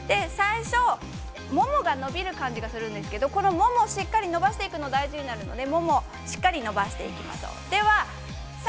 最初、ももが伸びる感じがするんですけれどもこのももをしっかり伸ばしていく、大事になるので、もも、しっかり伸ばしていきましょう。